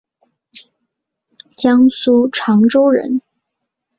江苏长洲人。